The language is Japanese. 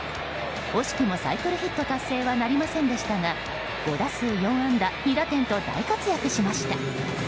惜しくもサイクルヒット達成はなりませんでしたが５打数４安打２打点と大活躍しました。